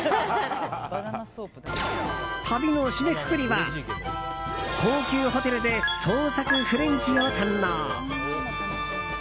旅の締めくくりは高級ホテルで創作フレンチを堪能。